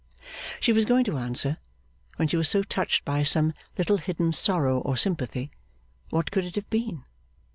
She was going to answer, when she was so touched by some little hidden sorrow or sympathy what could it have been?